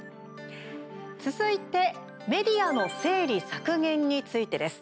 続いて、メディアの整理削減についてです。